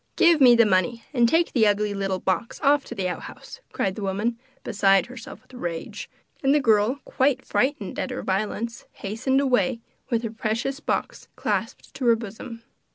'Give me the money, and take the ugly little box off to the outhouse,' cried the woman, beside herself with rage, and the girl, quite frightened at her violence, hastened away, with her precious box clasped to her bosom.